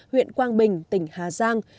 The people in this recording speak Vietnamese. huyện quang bình tỉnh hà giang